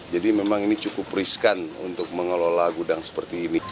jadi memang ini cukup riskan untuk mengelola gudang seperti ini